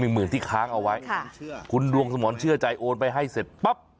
หมื่นที่ค้างเอาไว้ค่ะคุณดวงสมรเชื่อใจโอนไปให้เสร็จปั๊บ